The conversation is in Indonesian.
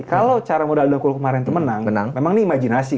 kalau cara modal udah kulit kemarin tuh menang memang ini imajinasi